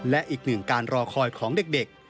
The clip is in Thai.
และอีกหนึ่งการรอคอยของเด็ก